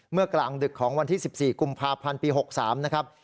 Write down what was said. กลางดึกของวันที่๑๔กุมภาพันธ์ปี๖๓นะครับ